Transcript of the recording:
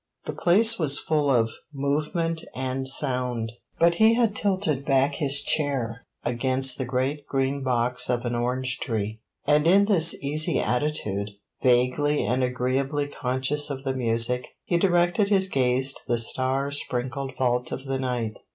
The place was full of movement and sound, but he had tilted back his chair against the great green box of an orange tree, and in this easy attitude, vaguely and agreeably conscious of the music, he directed his gaze to the star sprinkled vault of the night.